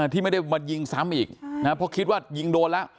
ที่ไม่ได้มายิงซ้ำอีกเพราะคิดว่ายิงโดนแล้ว